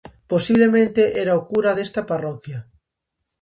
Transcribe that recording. Posiblemente era o cura desta parroquia.